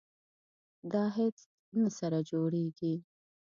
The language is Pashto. دا هیڅ نه سره جوړیږي.